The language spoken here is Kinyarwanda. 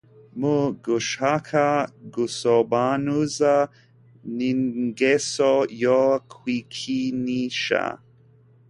Mu gushaka gusobanuza n’ingeso yo kwikinisha